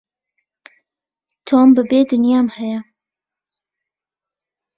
تۆم ببێ دونیام هەیە